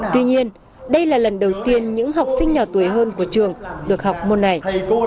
tuy nhiên đây là lần đầu tiên những học sinh nhỏ tuổi hơn của trường được học môn này